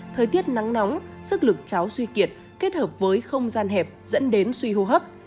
thời tiết nắng nóng sức lực cháu suy kiệt kết hợp với không gian hẹp dẫn đến suy hô hấp